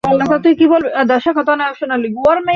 এই পাথুরে পথে।